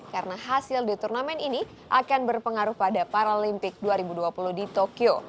karena hasil di turnamen ini akan berpengaruh pada paralympic dua ribu dua puluh di tokyo